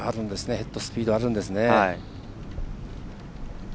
ヘッドスピードあるんですね。